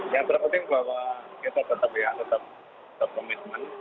yang terpenting bahwa kita tetap ya tetap berkomitmen